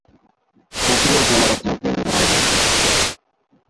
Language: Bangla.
তৃতীয় তলায় থাকেন রায়হান।